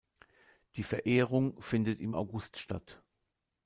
Die Verehrung findet im August statt.